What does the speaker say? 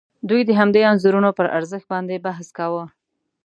دوی د همدې انځورونو پر ارزښت باندې بحث کاوه.